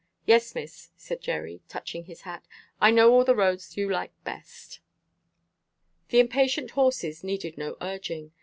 "Yes, miss," said Jerry, touching his hat. "I know all the roads you like best!" The impatient horses needed no urging.